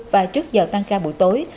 và trước giờ tăng ca buổi tối